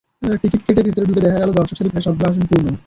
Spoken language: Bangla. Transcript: টিকিট কেটে ভেতরে ঢুকে দেখা গেল দর্শকসারির প্রায় সবগুলো আসন পূর্ণ।